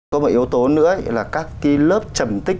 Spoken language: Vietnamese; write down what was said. có một yếu tố nữa là các cái lớp trầm tích